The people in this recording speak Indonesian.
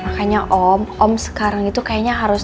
makanya om om sekarang itu kayaknya harus